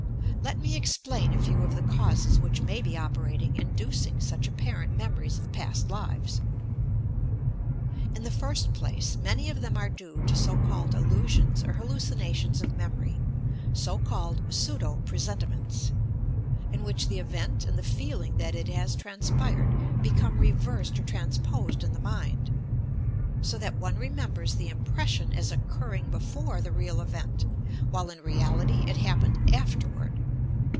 Let me explain a few of the causes which may be operating, inducing such apparent "memories of past lives." In the first place, many of them are due to so called illusions or hallucinations of memory — so called "paeudo presentiments," in which the event and the feeling that it has transpired become reversed or transposed in the mind, so that one remembers the impression as occurring before the real event, while in reality it happened after ward.